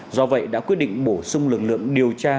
do vậy đã quyết định bổ sung lực lượng điều tra